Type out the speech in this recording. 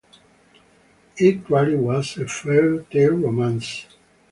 It truly was a fairytale romance.